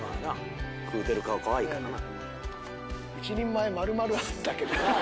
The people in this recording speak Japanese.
食うてる顔かわいいからな。